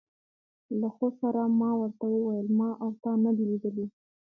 له خو سره ما ور ته وویل: ما او تا نه دي لیدلي.